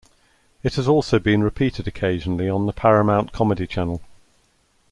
It has also been repeated occasionally on the Paramount Comedy Channel.